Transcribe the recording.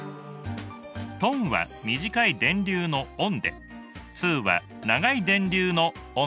トンは短い電流のオンでツーは長い電流のオンです。